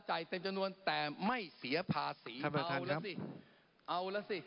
เต็มจำนวนแต่ไม่เสียภาษีเอาแล้วสิเอาแล้วสิ